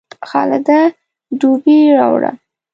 خالده ډبې راوړه